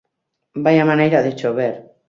Vaia maneira de chover!